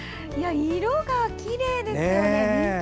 色がきれいですよね。